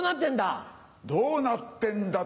どうなってんだ。